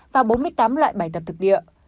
và bốn mươi tám loại bài tập thực địa